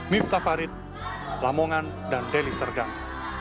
miftah farid lamongan dan deli serdang